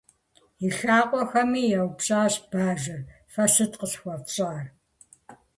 И лъакъуэхэми еупщӏащ бажэр: - Фэ сыт къысхуэфщӏар?